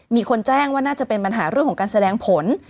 มีคนแจ้งว่าน่าจะเป็นปัญหาเรื่องของการแสดงผล